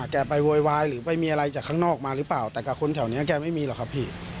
แกไปโวยวายหรือไปมีอะไรจากข้างนอกมาหรือเปล่าแต่กับคนแถวนี้แกไม่มีหรอกครับพี่